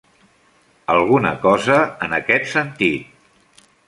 Alguna cosa en aquest sentit.